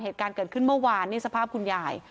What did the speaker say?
เหตุการณ์เกิดขึ้นเมื่อวานนี่สภาพคุณยาย